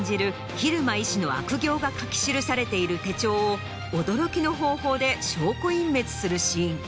蛭間医師の悪行が書き記されている手帳を驚きの方法で証拠隠滅するシーン。